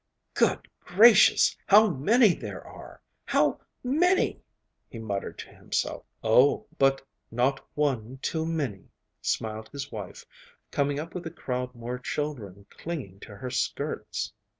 'Good gracious! how many there are! how many!' he muttered to himself. 'Oh, but not one too many,' smiled his wife, coming up with a crowd more children clinging to her skirts.